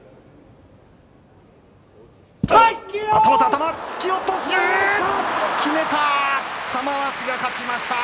玉鷲が勝ちました。